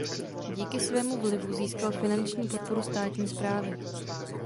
Díky svému vlivu získal finanční podporu státní správy.